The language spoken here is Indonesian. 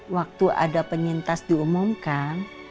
waktu ada penyintas diumumkan